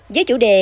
với chủ đề